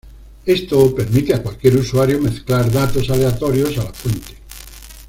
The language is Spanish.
Esto permite a cualquier usuario mezclar datos aleatorios a la fuente.